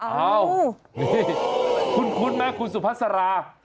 อ้าวคุ้นมั้ยคุณสุภัสรา